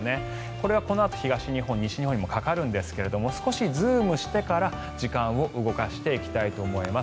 これがこのあと東日本西日本にもかかるんですが少しズームしてから時間を動かしていきたいと思います。